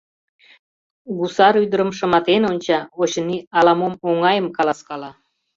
Гусар ӱдырым шыматен онча, очыни, ала-мом оҥайым каласкала.